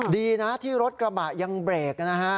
ดีนะที่รถกระบะยังเบรกนะฮะ